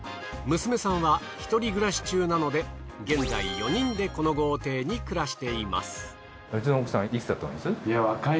娘さんは１人暮らし中なので現在４人でこの豪邸に暮らしています。